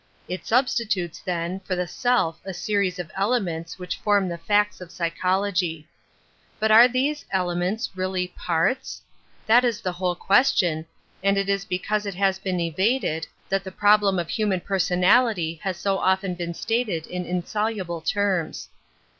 It substitutes, then, for the self a series of elements which form the facts of psy chology. But are these elements really parts? That is the whole question, is because it has l)een evaded tl int^H Metaphysics 25 problem of human personality has so often been stated in insoluble terms.